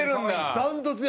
断トツや！